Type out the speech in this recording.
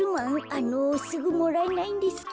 あのすぐもらえないんですか？